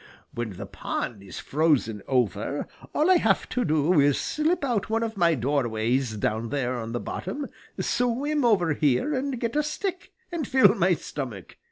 When the pond is frozen over, all I will have to do is to slip out of one of my doorways down there on the bottom, swim over here and get a stick, and fill my stomach.